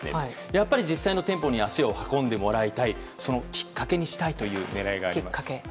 実際の店舗に足を運んでもらいたいそのきっかけにしたいという狙いがあります。